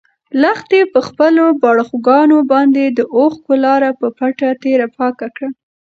لښتې په خپلو باړخوګانو باندې د اوښکو لاره په پټه تېره پاکه کړه.